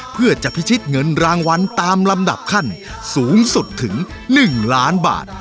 เพื่อจะพิชิตเงินรางวัลตามลำดับขั้นสูงสุดถึง๑ล้านบาท